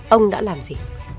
ông đã làm gì